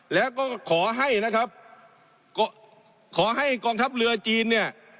แล้วก็ขอให้นะครับขอให้กองทัพเรือจีนเนี่ย